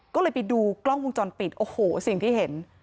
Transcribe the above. ก็เลยไปดูกล้องวงจรปิดโอ้โหสิ่งที่เห็น